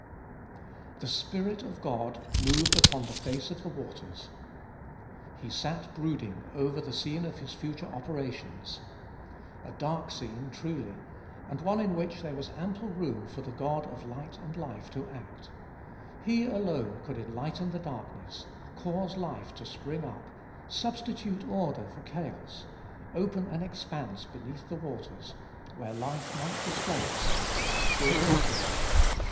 "The Spirit of God moved upon the face of the waters." He sat brooding over the scene of his future operations. A dark scene, truly; and one in which there was ample room for the God of light and life to act. He alone could enlighten the darkness, cause life to spring up, substitute order for chaos, open an expanse between the waters, where life might display itself without fear of death.